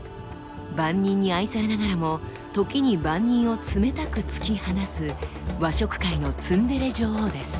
万人に愛されながらも時に万人を冷たく突き放す和食界のツンデレ女王です。